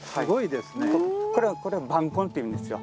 これは板根っていうんですよ。